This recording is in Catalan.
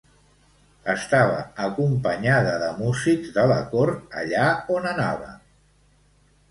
Estava acompanyada de músics de la cort allà on anava.